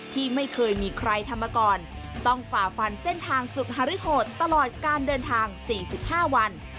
ที่ไม่เคยมีใครทำมาก่อนต้องฝ่าฟันเส้นทางสุดฮาริโหดตลอดการเดินทาง๔๕วัน